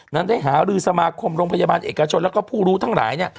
นั้นได้หารือสมาคมโรงพยาบาลเอกชนแล้วก็ผู้รู้ทั้งหลายเนี่ย